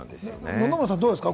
野々村さん、どうですか？